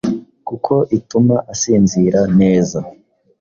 kuko ituma asinzira neza